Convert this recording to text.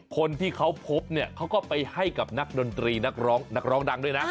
คนที่เขาพบเนี่ยเขาก็ไปให้กับนักดนตรีนักร้องนักร้องดังด้วยนะ